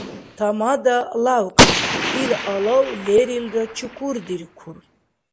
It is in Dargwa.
Тамада лявкьян. Ил алав лерилра чукурдиркур.